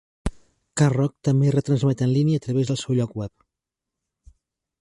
K-Rock també retransmet en línia a través del seu lloc web.